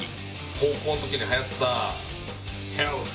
高校の時にはやってたヘルス。